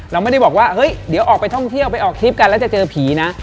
เราไม่ได้บอกว่าเฮ้ยเดี๋ยวออกไปท่องเที่ยวไปออกทริปกันแล้วจะเจอผีนะ